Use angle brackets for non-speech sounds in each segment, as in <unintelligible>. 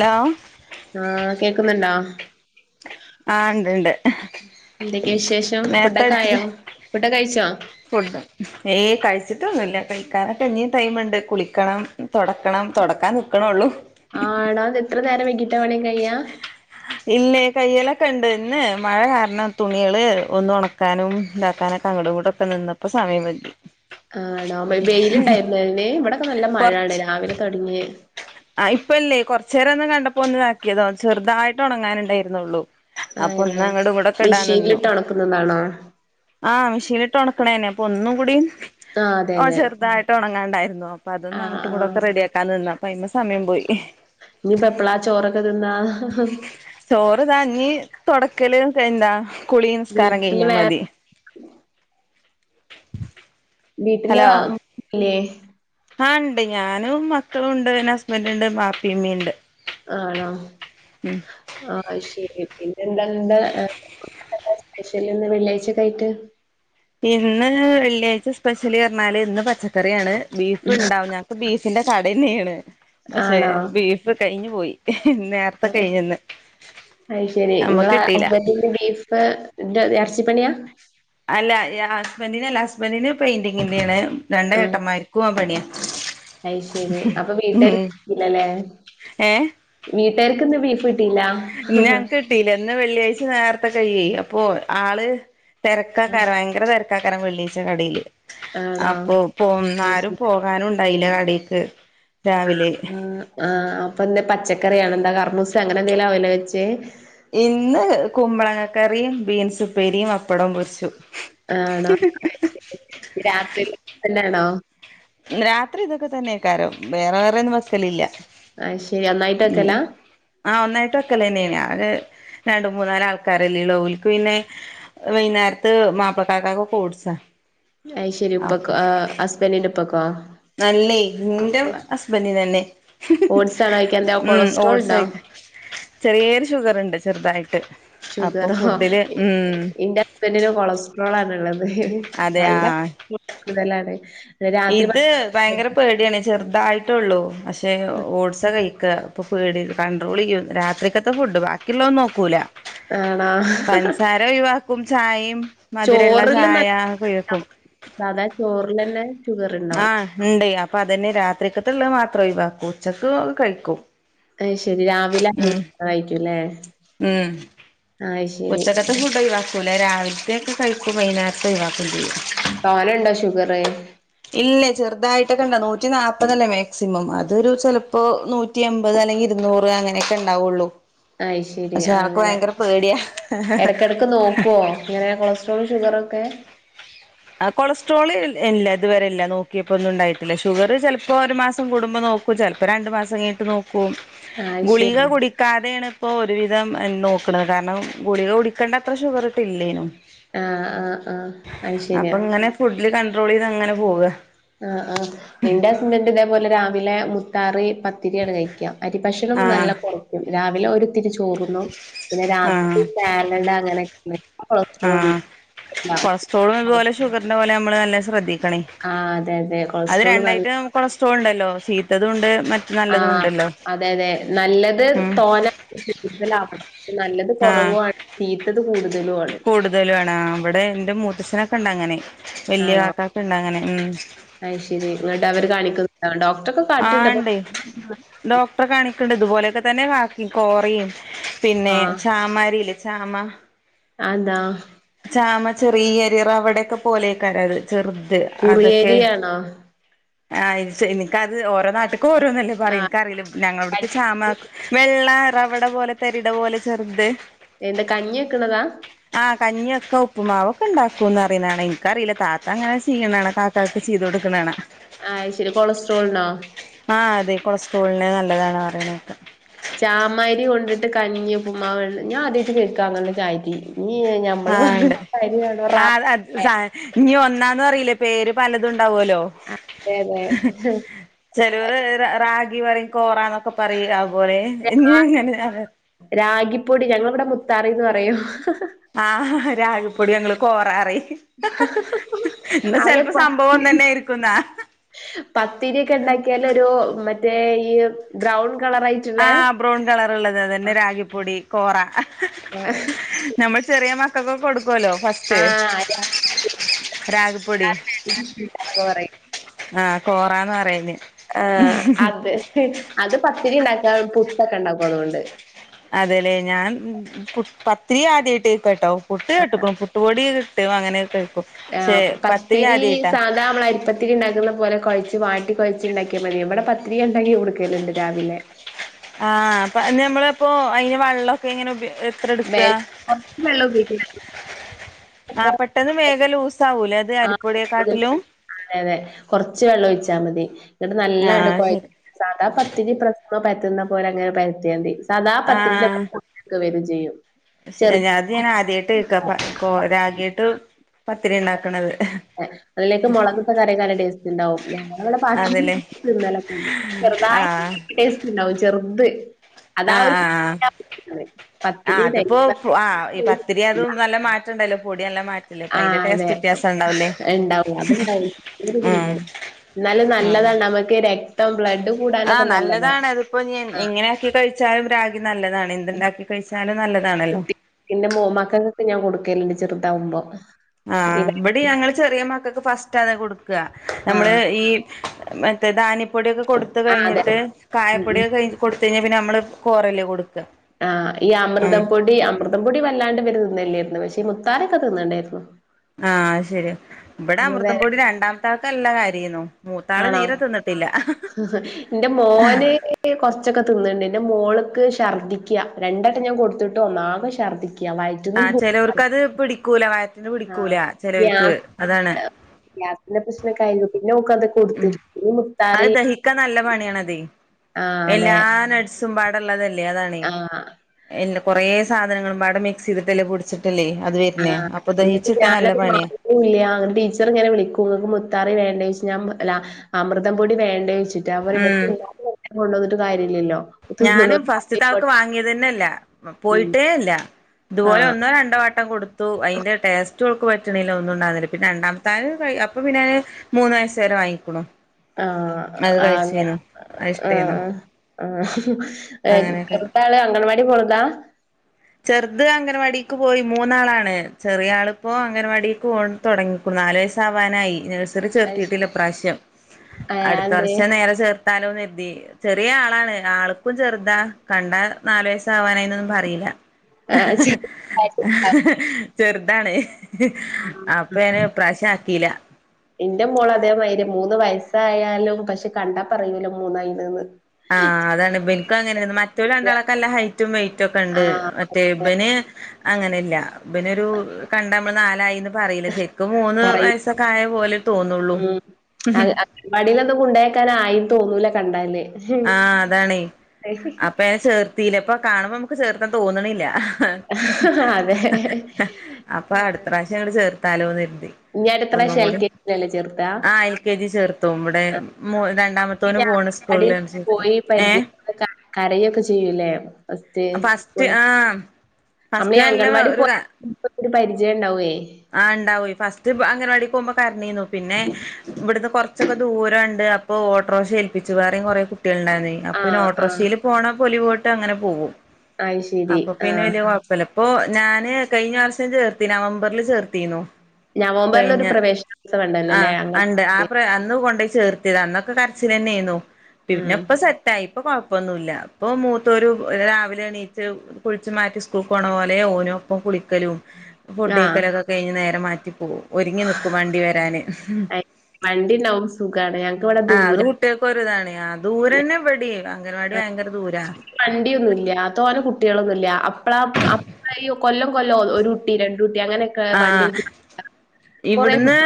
Law ആ കേക്കുന്നുണ്ടോ? ആഹ് ഇണ്ട്ണ്ട് എന്തൊക്കെ വിശേഷം ഫുഡൊക്കൊ ആയോ ഫുഡൊക്കെ കഴിച്ചോ? ഫുഡ് ഏ കഴിച്ചിട്ടൊന്നുല്ല കഴിക്കാനൊക്കെ ഇനിയ ടൈമ്ണ്ട് കുളിക്കണം തെടക്കണം തെടക്കാൻ നിക്കണള്ളൂ ആ ടാ ഇത് ഇത്ര നേരം വൈകിട്ടാ പണിക്കെ കയ്യാ ഇല്ലേ കയ്യലൊക്കെ ഇണ്ട് ഇന്ന് മഴ കാരണം തുണികള് ഒന്നു ഒണക്കാനും ഇതാക്കാനുംക്കെ അങ്ങടും ഇങ്ങടും നിന്നപ്പ സമയം കഴി ആണോ ബെയിലുണ്ടായിരുന്നെന് ഇവിടെക്കെ നല്ല മഴണ് കൊറച്ച് രാവിലെ തെടങ്ങ്യേ ആ ഇപ്പല്ലേ കൊറച്ചോരം ഒന്ന് കണ്ടപ്പോ ഒന്നാക്കിയതാവും ചെറുതായിട്ട് ഒണങ്ങാനുണ്ടായിരുന്നെള്ളു അപ്പം അയന്നെ ഒന്ന് അങ്ങടു ഇങ്ങടുക്കെ ഇടാൻ നിന്നു മെഷീനിലിട്ട് ഒണക്കുന്നതാണോ ആഹ് മിഷീനിട്ട് ഒണക്ക്ണന്നെ അപ്പന്നു കുടും ആഹ് അതെ അതെ ചെറുതായിട്ട് ഒണങ്ങാണ്ടായിരുന്നു അപ്പ അതൊന്ന് ആഹ് അങ്ങട്ടു ആഹ് ങ്ങടക്കെന്ന് റെഡിയാക്കൻ നിന്ന അപ്പ അയ്മെ സമയം പോയി ഇനിപ്പോ എപ്പളാ ചോറൊക്കെ തിന്നാ ചോറ്താ ഞ്ഞി തെടക്കല് എന്താ കുളി നിസ്കാരം വീട്ടില് കഴിഞ്ഞാ വേ മതി വീട്ടില് ല്ലേ ആഹ് ഉണ്ട് ഞാനും മക്കളും ഉണ്ട് എന്റെ ഹസ്ബൻഡ ഉണ്ട് മാപ്പിമ്മുണ്ട് ആണോ ആഹ് ശരി പിന്നെ എന്താന്താ സ്പെഷ്യല ഇന്ന് വെള്ളിയാഴ്ചക്ക ആയിട്ട് ഇന്ന് വെള്ളിയാഴ്ച സ്പെഷ്യലി പറഞ്ഞാല് ഇന്ന് പച്ചക്കറിയാണ് ബീഫ് ഉണ്ടാവും ഞ ബീഫിന്റെ കടന്നെയാണ് പക്ഷെ ബീഫ് കഴിഞ്ഞു പോയി നേ അ ശരി നിങ്ങള നമ്മക്ക് കിട്ടീല്ല അക്ബത്തിന്റെ ബീഫ് എന്താ ഇറച്ചി പണിയാ അല്ല ഹസ്ബന്റിനഅല്ല ഹസ്ബന്റിന് പെയിന്റിങ്ങിന്റൊണ് രണ്ട ഏട്ടമ്മാര് ക്കുആ പണിയ അയ് ശരി അപ്പൊ വീട്ടുകാർക്ക്ല്ലല്ലേ ഏ വീട്ടാര്ക്ക് ഇന്ന് ബീഫ് കിട്ടിയില്ല ഞങ്ങക്ക് കിട്ടില്ല ഇന്ന് വെള്ളിയാഴ്ച നേരത്തെ കഴ അപ്പോ ആള് തിരക്കാക്കാര ഭയങ്കര തിരക്കാക്കാര വെള്ളീച്ച കടയില് ആണോ അപ്പൊ അത് പോന്നാരും ശരി പോകാനുണ്ടായില്ല കടേക്ക് രാവിലെ ആഹ് അപ്പൊന്ന പച്ചക്കറിയാണ് എന്താ കറമൂസ അങ്ങനെ എന്തെലും ആല വെച്ച് ഇന്ന് കുമ്പളങ്ങ കറിയും ബീൻസ് ഉപ്പേരിയും പപ്പടം പൊരിച്ചു ആണോ രാത്രി തന്നെയാണോ രാത്രി ഇതൊക്കെ തന്നെയക്കാരം വേറെ വേറെന്നും വെക്കലില്ല ആഹ് ശെരി നന്നായിട്ട് വക്കലാ ആ ഒന്നായിട്ടും വെക്കല്ലേ തന്നെയ രണ്ട മൂന്നരം ആൾക്കാരല്ലേള്ളോ ഓൽക്ക് പിന്നെ വൈന്നേരത്ത് മാപ്പിൾകാക്കാക്ക് ഫ്രൂട്സ ഐശ്ശരി ഉപ്പൊക്ക ആ ഹസ്ബൻഡിന്റെ ഇപ്പക്കോ അല്ലേ ഇന്റെ ഹസ്ബന്റിനെന്നെ ഓട്സ് ആണോ കഴിക്കാ എന്താ ഉം കൊളസ്ട്രോൾ ഉണ്ടോ ഓഡ്സ്യ ചെറിയൊരു ഷുഗർണ്ട് ചെർതായിട്ട് അപ്പൊ ഫുഡില് ഉം പിന്നെ കൊളസ്ട്രോൾ ആണ്ള്ളത് അതെ നല്ല ആഹ് കൊള്ടോൾ കൂടുതലാണ് രാത്രി ഇത് ഭക്ഷണം ഭയങ്കര പേടിയാണ് ചെറുതായിട്ടുള്ളൂ പക്ഷെ ഓഡ്സ കഴിക്ക ഇപ്പോൾ പേടി കൺട്രോൾ ചെയ്യും രാത്രിക്കകത്തെ ഫുഡ് ബാക്കിള്ളന്ന് നോക്കൂല്ല ആണോ? പൻസാര ഒയിവ ക്കും ചായയും മധുരള്ള ചോറില് ചായ നല്ല കുയക്കും സാധാ ചോറിലന്നെ ഷുഗർണ്ടാവും. ആഹ് ഇണ്ടേയ് അപ്പൊ അതന്നെ രാത്രിക്കത്തള്ള മാത്ര ഒഴിവാക്കും ഉച്ചക്ക് കഴിക്കും അയ് ശരി രാവിലെ അ ഉം ആയിക്കല്ലേ ഉം ഒറ്റക്കത്ത് ഫുഡ ഒഴിവാക്കുല്ല രാവിലത്തെയ ഒക്കെ കഴിക്കും വൈകുന്നേരത്ത ഒഴിവാക്കുംണ്ട് ചെയ്യും തോനണ്ടോ ഷുഗറ് ഇല്ലേ ചെറുതായിട്ടൊക്കെണ്ട നൂറ്റി നാല്പ്പതല്ലേ മാക്സിമം അതൊരു ചിലപ്പോ നൂ റ്റി അമ്പത് അല്ലെങ്കിൽ ഇരുന്നൂറ് അങ്ങനെയൊക്കെ ഉണ്ടാവുള്ളൂ പക്ഷെ ആൾക്ക് ഭയങ്കര പേടിയാ ഇടക്കിടക്ക് നോക്കുവോ ഇങ്ങനെ കൊളസ്ട്രോൾ ഷുഗറൊക്കെ ആ കൊളസ്ട്രോള് ഇല്ല ഇതുവരെല്ല നോക്കിയപ്പോ ഒന്നും ഉണ്ടായിട്ടില്ല ഷുഗറ് ചേലപ്പോ ഒരു മാസം കൂടുമ്പോ നോ ചൽപ്പം രണ്ടു മാസം കെയ്ഞ്ട്ട് നോക്കും അയ് ശരി ഗുളിക കുടി ക്കാതേണ് ഇപ്പോ ഒരു വിധം നോക്ണത് കാര്ണം ഗുളിക കുടിക്കേണ്ട അത്ര ഷുഗർ ഇട്ടില്ലേനും. ഏഹ് ആഹ് ആ. അപ്പൊ ങ്ങനെ ഫുഡില് കണ്ടട്രോളീത് അങ്ങനെ പോവ്വാ. ആഹ് ആ ഇന്റെ ഹസ്ബന്റ് ഇതേപോലെ രാവിലെ മുത്താറി പത്തിരിയണ് കഴിക്കാ. അരിഭക്ഷണം നല്ല ആഹ് കൊറയ്ക്കും രാവിലെ ഒരുത്തിരി ചോറുന്നു പിന്നെ രാത്രി ആഹ് ന്താ അങ്ങനെ <unintelligible> കൊളസ്ട്രോൾ ആഹ് ആഹ് കൊളസ്ട്രോളും ഇതുപലെ ഷുഗറിന്റെ പോലെ നമ്മള് നല്ല ശ്രദ്ധിക്കണേയ്. ആഹ് അതെ അതെ. അത് കൊളസ്ട്രോൾ നല്ല രണ്ടയിട്ടം കൊളസ്ട്രോൾ ഉണ്ടല്ലോ ശീത്തത് ഉണ്ട്‌ മ ആഹ് അതെ അതെ നല്ലത് ഉം തോനേ കൂടുതല ആക്കണം. നല്ലത് ആഹ് കൊറവു ആ തീത്തത് കൂടുതലും. ആണ് കൂടുതലും ആണ് അവടെ എന്റെ മൂത്തച്ഛനൊക്കെ ണ്ടഅങ്ങനെ വല്യയ കാക്ക പിണ്ട അങ്ങനെ മ്മ്ഹ്. അയ് ശരി ന്ന്ട്ട് അവര് കാണിക്കുന്ന <unintelligible> ഡോക് ആ ണ്ടേയ് ഡോക്ടറെ കാണിക്ണ്ട് ഇതുപോലെയൊക്കെ തന്നെ കാക്കിം കോറീം പിന്നെ ആഹ് ചാമരിയില്ലേ ചാമ അന്താ? ചാമ ചെറിയ അരി റവടെക്കാ പോലെയ്ക്കാരം അത് ചെറ് അതൊക്കേ കുറിയരിയാണോ അയ് ഷ ഇനിക്ക് അത് ഓരോ നാട്ട് ക്കൊ ഓരോന്നല്ലേ പറയു ക്കറിയില്ല ആഹ് ഞങ്ങളവ്ട്ക്ക് ചാമാ വെള്ള റവടെ പോലെ തരിട പോലെ ചെറ്ത്. എന്താ കഞ്ഞി വക്ക്ണതാ? കഞ്ഞിയൊക്കെ ഉപ്പ്മാവൊക്കെ ണ്ടാക്കുംന്ന് അറിനാണാ ഇൻക്കറിയില്ലട്ടൊ താത്ത അങ്ങനെ ചിയ്യ്നാണാ കാ കാക്ക് ചെയ്ത് കൊടുക്ണാണാ. ആ അയ് ശരി കൊളസ്ട്രോൾണോ? ആഹ് അതെ കൊളസ്ട്രോൾണ് നല്ലതാണ് പറിണെക്കാ. ചാമരി കൊണ്ടിട്ട് കഞ്ഞി പ്പുമ്മാവ് ഞാൻ ആതിയായ്‌ട്ട് കേക്കാ അങ്ങനെ ഒരു അരി ഞ്ഞി ആഹ് ണ്ട് ആ അ സാ ഇനി ഒന്നാന്ന് അറീല്ലേ പേര് പലതും ണ്ടാവുല്ലോ. ആഹ് അതെ അതെ ഹ്. ചേലോര് റ റാഗി പറിം കോറാ ന്നൊക്കെ പറിം അയ്പോലെ രാ ഇഞ്ഞി എങ്ങനെ രാഗിപ്പൊടി ഞങ്ങള ഇവടെ മുത്താറീന്ന് പറയും. ആഹ് രാഗി പൊടി ഞങ്ങള് കോറാ റിം ന്നാ ചെൽപ്പോ സംഭവം ഒന്നെനെയിരിക്കും ന്നാ. പത്തിരിക്കെ ണ്ടാക്കിയാലൊ ഒരു മറ്റേ ഈ ബ്രൗൺ കളർ ആയിട്ടുള്ളേ ആഹ് ബ്രൗൺ കളറ്ള്ളത് അതന്നെ രാഗിപ്പൊടി കോറാ ആഹ്. നമ്മള് ചെറീയേ മക്കകൊക്കേ കൊടുക്കുല്ലോ ഫസ് ആഹ് രാ രാഗിപ്പൊടി <unintelligible> പറിം. ആഹ് കോറാന്ന് പറയും ന്. ആഹ് അത് അത് പത്തിരി ണ്ടാക്കാ പുട്ടൊക്കെ ണ്ടാക്കും അതൊണ്ട്. അതെല്ലെ ഞാൻ പു പത്തിരി ആദ്യായിട്ട് കെയ്ക്കാട്ടൊ പുട്ട് കേട്ട്ക്ണു പു ട്ട് പൊടി കിട്ടും അങ്ങനൊക്കേ കായ്ക്കും. ആഹ് അപ്പ പത്തിരി സാധാ മ്മള അരിപ്പ ത്തിരി ണ്ടാക്കുന്ന പോലെ കൊഴച്ച് വാട്ടി കൊഴച്ച് ണ്ടാക്കിയാ മതി ഇവടെ പത്തിരി ണ്ടെങ്കി കൊടുക്കല്ണ്ട് രാവിലെ. ആഹ് അപ്പൊ നമ്മള പ്പോ അയ്ന് വെള്ളക്കെ ഇങ്ങനെ ഉ <unintelligible> കൊർച് വെള്ള ഒക്കെ ആഹ് പെട്ടെന്ന് മേഗ ലൂസ ആവൂലേ അത് ആഹ് അരിപ്പൊടിയെക്കാട്ടിലും? അതെ അതെ കൊറ്ച്ച് വെള്ളം ഒഴിച്ചാ മതി ന്നിട്ട് നല്ലണ്ട് ആഹ് കൊഴ ശരി സാദാ പത്തിരി പ്രശ്നം പരത്തുന്ന പോല അങ്ങനെ പരത്തിയാമതി സാദാ പത്തിരീന്റെ. ആഹ് ഒക്കെ വരും ചെയ്യും. അത് ഞാൻ ചെറിയ ആദ്യമായിട്ട് കേക്ക രാഗിയിട്ട് പത്തിരി ഉണ്ടാക്കണത്. അത്ലേക്ക് മുളകത്തെ കറി നല്ല ടേസ്റ്റ് ഉണ്ടാവും ഞവിടെ അതല്ലേ <unintelligible> ചെറുതായിട്ട് ആഹ് ടേസ്റ്റ് ഉണ്ടാവും ചെറുത്. അതാ ആഹ് ഒരു ആഹ് ആ പത്തില് അതിപ്പോ ആ പത്തിരി ഇതി അതും നല്ല മാറ്റം ഉണ്ടല്ലോ. പൊടിയല്ലാം മാറ്റി ആ അതെ ഉണ്ടാവും അത്ണ്ടാവും ഉം <unintelligible> എന്നാലും നല്ലതാണ് നമുക്ക് രക്തം ബ്ലഡും. ആ നല്ലതാണ് അതിപ്പോൾ എങ്ങനാക്കി കഴിച്ചാലും രാഗി നല്ലതാണ്. എന്തുണ്ടാക്കി കഴിച്ചാലും നല്ലതാണല്ലോ അല്ലെ എന്റെ മോൻമാർക്ക് ഞാൻ കൊടുക്കാര്ന്ന് ചെറുതാവുമ്പം ആ ഇവിടെ ഞങ്ങള് ചെറിയ മക്കൾക്ക് ഫസ്റ്റ് തന്നെ കൊടു ആ നമ്മൾ ഈ മറ്റേ ധാന്യപ്പൊടിയൊക്കെ കൊടുത്ത് ആ അതെ കഴിഞ്ഞിട്ട് ഉം ഉം കായപ്പൊടി കഴി കൊടുത്ത് കഴിഞ്ഞാ പിന്നെ നമ്മളതന്നല്ലേ കൊടുക്കാ ആഹ് ഈ അമൃതം പൊടി <unintelligible> ആ ശരിയാ ഇവിട അപ്പൊ വെ അമൃതം പൊടി രണ്ടാമത്തെ ആൾക്ക് നല്ല കാര്യമാണ് മൂത്താള് ആണോ തീരെ തിന്നത്തില്ല. എന്റെ മോന് കൊറച്ചൊക്കെ തിന്ന് ന്ണ്ട് ന്റെ മോള് <unintelligible> ആ ചെലോർക്ക് അത് പിടിക്കൂല വയറ്റിന് പിടിക്കൂല ആഹ് ചിലർക്ക് ഗ്യാസ് അതാണ് <unintelligible> ഉം ഈ അത് മുത്താറി ദഹിക്കാൻ നല്ല പണിയാണതെ ആഹ് എല്ലാ അതെ നട്‌സും പാടുള്ളതല്ലേ അതാണ് ആഹ് കുറെ സാധനങ്ങള് മിക്സ് ചെയ്തിട്ട് അതില് പൊടിച്ച് <unintelligible> <unintelligible> ഒരു ടീച്ചർ ഇങ്ങന വിളിക്കും <unintelligible> അമൃതം പൊടി വേണ്ടെന്ന് വെച്ചിട്ടാ അവർ ഇവിടെ ഉം പിള്ളേർക്ക് കഴിക്കാൻ കൊണ്ട് വന്നിട്ട് കാര്യമില്ലല്ലോ ഞാന് ഫസ്റ്റ് ത്താൾക്ക് വാങ്ങിയതേയില്ല ഉം പോയിട്ടേയില്ല ഇത് പോലെ ആഹ് <unintelligible> തട്ടം കൊടുത്തു അതിന്റെ ടേസ്റ്റ് കുട്ടിയോൾക്ക് പറ്റണില്ല ഒന്നും ഉണ്ടാകുന്നില്ല പിന്നെ രണ്ടാമത്ത ആൾ അപ്പൊ പിന്നെ മൂന്ന് വയസ്സു വരെ വാങ്ങിക്കുണു അത് ആഹ് ഇഞ്ചി കഴിച്ചീനു അത് ഇഷ്ടായിന്നു ആഹ് ആ ആ അങ്ങനെയൊക്കെ ചെറുതാള് അംഗൻവാടി പോണതാ ചെറുത് അംഗൻവാടിക്ക് പോയി മൂന്നാളാണ് ചെറിയ ആളിപ്പോ അംഗൻവാടിക്ക് പോകാൻ തുടങ്ങുന്നു നാല് വയസ്സ് ആവറായി ഇത്ര അയ്ശരി ചേർത്തിട്ടില്ല ഇപ്രാവശ്യം ഏഹ് അടുത്ത അതെന്തേ വർഷത്തെ <unintelligible> ചെറിയ ആളാണ് ആൾക്കും ചെറുതാ കണ്ടാ നാലു വയസ്സ് ആവാനായിന്നൊന്നും പറയില്ല ആഹ് <unintelligible> ചെറുതാണ് അപ്പേന് ഈ പ്രാവശ്യം ആക്കില്ല ഇന്റെ മോള് അതേമാതിരിയാ <unintelligible> ആ അതാണ് ഇവനിക്കും അങ്ങനെയാണ് മറ്റാൾക്ക് രണ്ടാൾക്ക് നല്ല ഹൈറ്റും വെറ്റും ഒക്കെ ഉണ്ട് ആഹ് ശേ അതെ ഇവന് അങ്ങനില്ല ഇവനൊരു <unintelligible> പറയില്ല ശരിക്കും മൂന്ന് പറയും വയസ്സൊക്കെ ആയ പോലെ തോന്നുള്ളൂ <unintelligible> ആയി തോന്നൂല്ല കണ്ടാല് ആഅതാണേ അപ്പം അതിനേ ചേർത്തില്ല അപ്പൊ കാണുമ്പോ നമ്മുക്ക് ചേർക്കാൻ തോന്നണില്ല ഹ് ഹാ അതേ അപ്പൊ അടുത്തപ്രാവശ്യം ഞങ്ങള്ചേർത്താലോന്ന് കരുതി <unintelligible> ൽകെജി ചേർത്തു ഇവിടെ രണ്ടാമത്തോനെ പിന്നെ പോണ സ്കൂളിൽ അംഗൻവാടിയിൽ പോയി പരിജയ <unintelligible> കരയുവൊക്കെ ചെയൂലെ ഫസ്റ്റ് <unintelligible> ആഹ് നമ്മള് ഫസ്റ്റ് ഈ നല്ല അംഗൻവാടി പോയ ഒരു പോലൊരു പരിചയം ഉണ്ടാവേ ആഹ് ഇണ്ടാവേ ഫസ്റ്റ് അങ്കണവാടി പോകുമ്പം കരഞ്ഞീനു പിന്നെ ഇവടന്ന് കുറച്ചങ്ങു ദൂരണ്ട് ഇപ്പോ ഒട്ട്രോക്ഷ ഏൽപ്പിച്ചു വേറെ കൊറേം കുട്ടികളുണ്ടാരുന്നേ അപ്പൊ പിന്നെ ആഹ് ആഹ് ഓട്രോക്ഷയില് പോണേ പോല് പോയിട്ടങ്ങനെ പോകും അയ് ശരി അപ്പോ പിന്നെ ആഹ് ചിലപ്പോ ഞാന് കഴിഞ്ഞ വർഷം ചേർത്തിന് നവംബറിൽ ചേർത്തിന്നു നവംബറിലൊരു കഴിഞ്ഞ പ്രവേശനോത്സവം ഉണ്ടല്ലോല്ലേ ആഹ് ണ്ട് ആഹ് അംഗൻവാടിക്ക് പ്ര അന്ന് കൊണ്ടോയി ചേർത്തിരുന്നു അന്നൊക്കെ കരച്ചില് തന്നെ ആയിന്നു പിന്നെ ഉം ഇപ്പൊ സെ റ്റായി ഇപ്പോ കൊഴപ്പൊന്നുല്ല ഇപ്പൊ മൂത്തോരു രാവിലെ എണീറ്റ് കുളിച്ച് മാറ്റി സ്‌കൂളിക്ക് പോണ പോലെ ഓനും ഒപ്പം കുളിക്കും ക്കാലും ആഹ് <unintelligible> കഴിഞ്ഞ് നേരെ മാറ്റി പോകും ഒരുങ്ങി നിക്കും വണ്ടി വരാന് അയ് വണ്ടി ഉണ്ടാവും സുഖാണ് ഞങ്ങക്ക് ഇവിടെ ആഹ് അത് ദൂര കുട്ടിയക്കെ ഒരിതാണ് ദൂരെ തന്നെ ഇവിടെയുംഅംഗൻവാടി ഭയങ്കര ദൂരാ വണ്ടിയൊന്നും ഇല്ല തോന കുട്ടികളൊന്നു ഇല്ല അപ്പളാ അപ്പ് അയ്യോ കൊല്ലംകൊല്ലംഒരു കുട്ടി രണ്ടുട്ടി അങ്ങനെ ആഹ് കു ഇവിടുന്ന്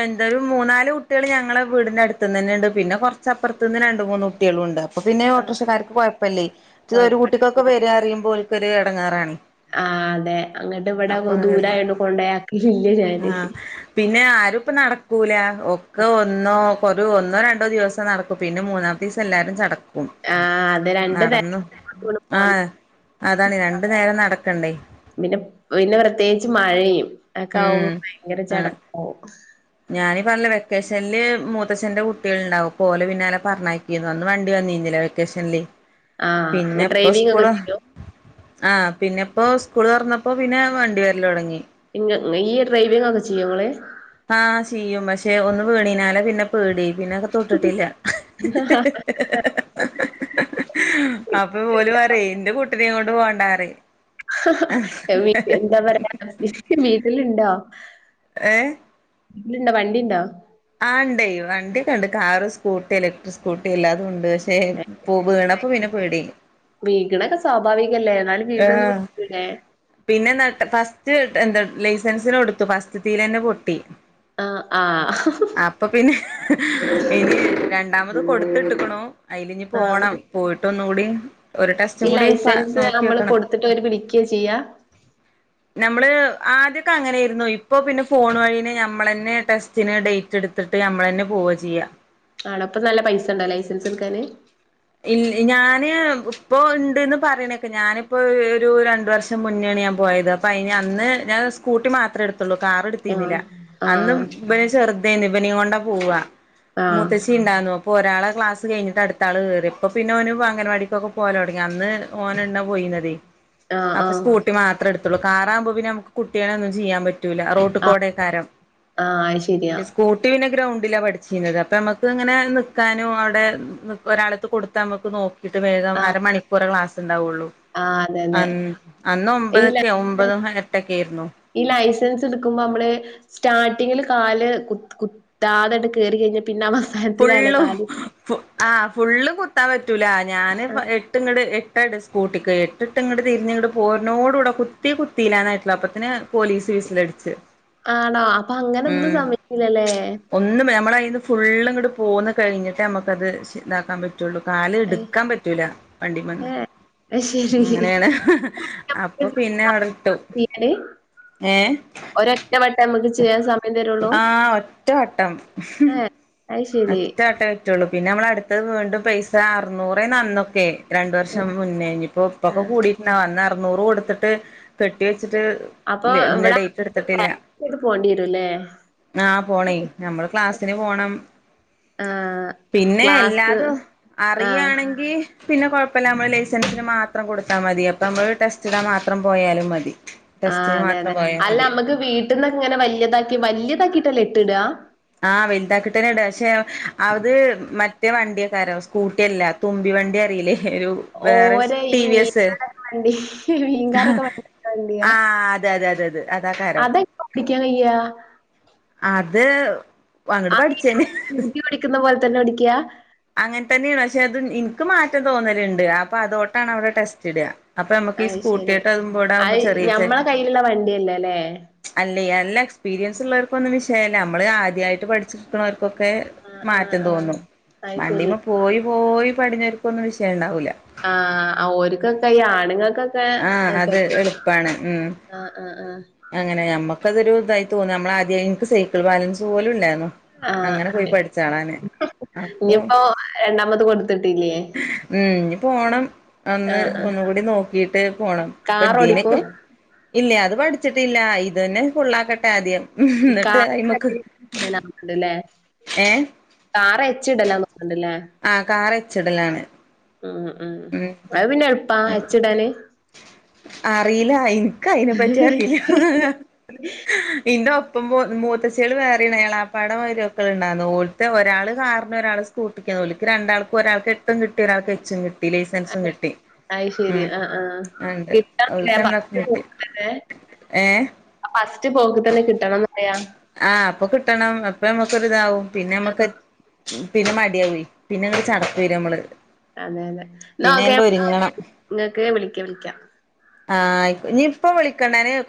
എന്ത് ഒരു മൂന്നാല് കുട്ടികള് ഞങ്ങളെ വീടിന്റെ അടുത്ത് നിന്ന് തന്നെ ഉണ്ട് പിന്നെ കുറച്ചപ്പുറത്ത്ന്ന് രണ്ട് മൂന്ന് കു ട്ടികളും ഉണ്ട് അപ്പൊ ആഹ് പിന്നെഓട്ടോറിക്ഷക്കാര്ക്ക് കൊയപ്പല്ലേ മറ്റേത് ഒരു കുട്ടിക്കൊക്കെ കൊഴപ്പല്ല വരാറയുമ്പോ ഒര് ഒരു എടങ്ങേറാണ് ആഹ് അതെ അങ്ങട്ട് ഇവടെ അപ്പൊ അങ്ങനെല്ല ദൂരായോണ്ട് കൊണ്ടോയാക്കലില്ലേ ഞാന് ആഹ് പിന്നെ ആരും ഇപ്പ നടക്കൂല ഒക്കെ ഒന്നോ ഒരു ഒന്നോ രണ്ടോ ദിവസം നടക്കും പിന്നെ മൂന്നാമത്തിസം എല്ലാരും ചടക്കും ആഹ് അത് രണ്ട് നേരം നടന്നു കൊണ്ട് പോണ്ട ആഹ് അതാണ് രണ്ടു നേരം നടക്കണ്ടേ പിന്നെ പിന്നെ പ്രത്യേകിച്ച് മഴയും ഒക്കെ ഉം ആകുമ്പോ ഭയങ്കര ആണ് ചടപ്പാവും ഞാനീ പറഞ്ഞ് വെക്കേഷനില് മൂത്തച്ഛന്റെ കുട്ടികൾ ഉണ്ടാവും അപ്പം ഓലെ പിന്നാലെ പറഞ്ഞയ ക്കുംന്ന് അന്ന് വണ്ടി വന്നിന്നില വെക്കേഷനില് ആഹ് ഇങ്ങ പിന്നെ ഇപ്പൊ ഡ്രൈവിംഗ് സ്കൂൾ ഒക്കെ ചെയ്യോ ആഹ് പിന്നെ ഇപ്പോ സ്കൂള് തുറന്നപ്പോ പിന്നെ വണ്ടി വരല് തൊടങ്ങി ഇങ്ങ ഈ ഡ്രൈവിംഗ് ഒക്കെ ചെയ്യോ ഇങ്ങള് ആഹ് ചെയ്യും പക്ഷെ ഒന്ന് വീണിനാല് പിന്നെ പേടി പിന്നെ അത് തൊട്ടിട്ടില്ല <unintelligible> അപ്പ ഓലു പറയേ ന്റെ കുട്ടിനെ കൊണ്ട് പോകണ്ടാ പറയും എന്താ പറയാ <unintelligible> വീട്ടില് ഇണ്ടോ ഏഹ് ഇണ്ടോ വണ്ടിയിണ്ടോ ആഹ് ഇണ്ട് വണ്ടിക്കെ ണ്ട് കാറ് സ്കൂട്ടി ഇലക്ട്രിക് സ്‌കൂട്ടി എല്ലാതുംണ്ട് ക്ഷേ <unintelligible> വീണും അപ്പ പിന്നെ പേടിയായ് വീഗണൊക്കെ സ്വാഭാവികല്ലേ എന്നാലും വീണ്ടൊന്ന് ആഹ് പഠിക്കൂലേ പിന്നെ എന്ത്ട്ടാ ഫസ്റ്റ് എന്താ ലൈസൻസിന് കൊടുത്തു ഫസ്റ്റത്തിലെനന്നെ പൊട്ടി ആഹ് ആഹ് അപ്പൊ പിന്നെ ഇനി രണ്ടാമത് കൊടുത്ത് ഇട്ടക്കണു അയിലിനി ആഹ് പോണം പോയിട്ട് ഒന്നുകൂടി ഒരു ടെസ്റ്റും ഈ കൂടി പ ലൈസൻസ് നോ നമ്മള് കൊടുത്തിട്ട് അവര് വിളിക്കയാ ചെയ്യാ നമ്മള് ആദ്യൊക്കെ അങ്ങനെയിരുന്നു ഇപ്പൊ പിന്നെ ഫോൺ വഴീനെ നമ്മള് തന്നെ ടെസ്റ്റിന് ഡേറ്റ് എടുത്ത് ത്തിട്ട് നമ്മൾ തന്നെ പോവാ ചെയ്യ ആണോ ഇപ്പോ നല്ല പൈസ ഉണ്ടോ ലൈസൻസ് എടുക്കാന്? ഇ ഞാന് ഇപ്പൊ ഉണ്ട്ന്ന് പറയണേ കേക്കാം. ഞാനിപ്പോ ഒരു രണ്ടു വർഷം മുന്നാണ് ഞാൻ പോയത് അപ്പ അതിന് അന്ന് ഞാൻ സ്കൂട്ടി മാത്രം എടുത്ത ള്ളു. കാർ ആഹ് എടുത്തിരുന്നില്ല അന്നും ആഹ് ഇവൻ ചെറുതേന്ന് ഇവനെ കൊണ്ടാ പോവാ ആഹ് മുത്തേച്ചി ഉണ്ടായിരുന്നു. അപ്പം ഒരാളുടെ ക്ലാസ് കഴിഞ്ഞിട്ട് അടുത്താള് കേറി. അപ്പൊ പിന്നെ ഓന് അംഗൻവാടിക്കൊക്കെ പോവല് തൊടങ്ങി അന്ന് ഓന് എന്നെ പോയിനതെ ആഹ് അപ്പൊ ആഹ് സ്കൂ കൂട്ടി മാത്രേ എടുത്തുള്ളൂ കാറാവുമ്പ പിന്ന നമ്മക്ക് കുട്ടികളെ ഒന്നും ചെയ്യാൻ പറ്റ് റ്റൂല്ല ആഹ് റോട്ട്കൂടായിക്കാരം ആഹ് അത് ശരിയാ സ്കൂട്ടി പിന്നെ ഗ്രൗണ്ടിലാണ് പഠിച്ചീനത് അപ്പം ഞമ്മക്ക് ഇങ്ങനെ നിക്കാനും അവടെ നിക്ക് ഒരാളെട്ത്ത് കൊടുത്ത് ത്ത് നമ്മക്ക് നോക്കീട്ട് വേഗം ആഹ് അരമണിക്കൂറെ ക്ലാസ് ഉണ്ടാവുള്ളൂ. ആഹ് അതെ അതെ അൻ അന്ന് ഈ ലൈ ഒമ്പതൊക്കെ ഒമ്പതും എട്ടൊക്കെ ആയിരുന്നു. ഈ ലൈസൻസ് എടുക്കുമ്പോ നമ്മള് സ്റ്റാർട്ടിങ്ങില് കാല് കുത്ത് കുത്താതെ ആട്ട് കേറി കഴിഞ്ഞാ പിന്നെ അവസാനത്തിലാല്ലേ കാല് ഫു ആഹ് ഫുള്ള് കുത്താൻ പറ്റൂല ഞാന് ഫ ആഹ് എട്ട് എട്ട് ഇങ്ങട് എട്ടാടാ സ്കൂട്ടിക്ക് എട്ടിട്ട് ഇങ്ങട് തിരിഞ്ഞിങ്ങട് പോരണോടു കൂടെ കുത്തി കുത്തിയില്ല എന്നായിട്ടുള്ളു അപ്പത്തിന് പോലീസ് വിസിലടിച്ച് ആണോ അപ്പൊ അങ്ങനെ ഒന്നും ഉം സമ്മയ്ക്കൂല്ലല്ലേ ഒന്നും ഞമ്മള് അയ്ന്ന് ഫുള്ളും ഇങ്ങട് പോന്ന് കഴിഞ്ഞിട്ടെ നമ്മക്കത് ശെ ഇതാക്കാൻ പറ്റു പറ്റുള്ളൂ കാല് ഏഹ് എട്ക്കാൻ പറ്റൂല വണ്ടീമ്മന്ന് ഏഹ് അത് ശരി ഉം അങ്ങനെയാണ് നമുക്ക് അപ്പൊ പിന്നെ അവിടെ ഇട്ടു <unintelligible> ഏഹ് ഒറ്റ വട്ടെ നമ്മക്ക് ചെയ്യാൻ സമ ആഹ് ഒറ്റ വട്ടം ഏഹ് അത് ശരി ഒറ്റവട്ടെ പറ്റുള്ളൂ പിന്നെ നമ്മള് അടുത്തത് വീണ്ടും പൈസ അറുന്നൂറേനു അന്നൊക്കെ രണ്ട് വർഷം മുന്നേ ഇഞ്ഞിപ്പോ ഇപ്പൊക്കെ ആഹ് കൂടിട്ടുണ്ടാവും അന്ന് അറുന്നൂറ് കൊടുത്തിട്ട് കെട്ടി വെച്ചിട്ട് അപ്പൊ ഇന്ന ഇവിടെ ഡേറ്റ് എടുത്തിട്ടില്ല <unintelligible> ചെയ്ത് പോണ്ടി വെരൂല്ലേ ആഹ് പോണേ ഞമ്മള് ക്ലാസ്സിന് പോണം ആഹ് പിന്നെ ക്ലാസ് എല്ലാതും ആഹ് അറിയാണെങ്കി പിന്നെ കൊഴപ്പല്ല നമ്മള് ലൈസൻസിന് മാത്രം കൊടുത്താ മതി അപ്പ നമ്മള് ടെസ്റ്റ് ഇടാൻ മാത്രം പോയാലും മതി ആഹ് ടെസ്റ്റിന് അതെ മാത്രം അതെ പോയാൽ അല്ല മതി അമ്മക്ക് വീട്ടിന്ന് ഇങ്ങനെ വല്യതാക്കി വല്യതാക്കീട്ടല്ലേ എട്ടിടാ ആഹ് വൽതാക്കീട്ടന്നെയാ ഇടാ ക്ഷെ അത് മറ്റേ വണ്ടിയാക്കാരം സ്കൂട്ടിയല്ലാ തുമ്പി വണ്ടി അറിയില്ലേ ഒരു വേറെ ഓരെ ടി ഈ വി മീൻ എസ് വണ്ടി ആഹ് മീൻകാരൊക്കെ <unintelligible> വണ്ടിയാ അതെ അതെ അതെ അത് അതാക്കാരം അതൊക് <unintelligible> ഓടിക്കാൻ കയ്യാ? അത് അങ്ങട് പഠിച്ചന്നെ ക്കുന്ന പോലെ തന്നെ പടിക്കാ അങ്ങനെ തന്നെയാണ് പക്ഷെ അത് ഇൻക്ക് മാറ്റം തോന്നലുണ്ട് അപ്പൊ അതോണ്ടാണ് അവിടെ ടെസ്റ്റിടാ അപ്പൊ നമ്മക്ക് ഈ അത് ശരി സ്കൂട്ടിട്ട് അതുമ്പാടെ ആവുമ്പോ അത് ചെറിയ ചെ ഞമ്മളെ കയ്യിലുള്ള വണ്ടിയല്ലേ അല്ലേ അല്ലേ നല്ല എക്സ്പീരിയൻസ് ഇള്ളവർക്കൊന്നും വിഷയല്ല നമ്മള് ആദ്യായിട്ട് പഠിച്ചിരിക്കുണോർക്കൊക്കെ ആ ആ മാറ്റം ആ തോന്നും അത് ശരി വണ്ടീമ്മെ പോയി പോയി പടിഞ്ഞവർക്കൊന്നും വിഷയണ്ടാവൂല ആഹ് ഓര്ക്കൊക്കെ ഈ ആണുങ്ങക്കൊക്കെ ആഹ് അത് പറ്റും എളുപ്പാണ് ഉം ആഹ് ആഹ് ആഹ് അങ്ങനെ നമ്മക്കതൊരു ഇതായി തോന്നെ നമ്മളാ ആദ്യം എനിക്ക് സൈക്കിൾ ബാലൻസ് പോലും ഇല്ലായിരുന്നു ആ അങ്ങനെ പോയി പഠിച്ചാളാ ഞാൻ അപ്പൊ ഇനിയിപ്പോ രണ്ടാമത് കൊടുത്തിട്ടില്ലേ ഉം ഇഞ്ഞി പോണം ആ അന്ന് ആ ഒന്നുകൂടി നോക്കീട്ട് പോണം ഇപ്പൊ കാർ ഇതിയെനൊക്കെ ഓടിക്കും ഇല്ല അത് പഠിച്ചിട്ടില്ല ഇത് തന്നെ ഫുള്ളാക്കട്ടെ ആദ്യം ഈ എന്നിട്ട് കാറ് അയിമക്ക് <unintelligible> ഏഹ് കാറ് എച്ചിടലാന്ന് തോന്ന്ണ്ട്ല്ലേ ആഹ് കാറ് എച്ചിടലാണ്. ഉം ഉം അത് പിന്നെ എളുപ്പാ എച്ചിടല്? അറീല്ല ഇൻക്കയിനെപറ്റി അറീല്ല ഇന്റെ ഒപ്പം മൂ മൂത്തച്ചിയെള് വേറെ ഇണ്ടായി എളാപ്പാടെ മരുമക്കള് ഇണ്ടാരുന്നു ഓൽത്തെ ഒരാള് കാറിന് ഒരാള് സ് സ്കൂട്ടിക്ക് ഓൽക്ക് രണ്ടാൾക്കും ഒരാൾക്ക് എട്ടും കിട്ടി ഒരാൾക്ക് എച്ചും കിട്ടി ലൈസൻസും അത് കിട്ടി ഉം ശരി ആഹ് ആഹ് ആണ്ട് കിട്ടണംല്ലേ ഓൽക്കണ്ടാക്കും ഫസ്റ്റ് കിട്ടി ഏഹ് അ ഫസ്റ്റ് പോക്ക് തന്നെ കിട്ടണംന്നറയാ ആഹ് അപ്പൊ കിട്ടണം അപ്പ ഞമ്മക്കൊരിതാവും പിന്നെ ഞമ്മക്ക് പിന്നെ മടിയായീലേ പിന്നെങ്ങട്ട് ചടപ്പ് വരുമ്മള് അതെ അതെ ന്നാ ഒ കെ ങ്ങക്ക് വിളിക്ക വിളിക്ക ആഹ്‌ അയ്കോ നിപ്പം വിളിക്കണ്ടാന് കൊ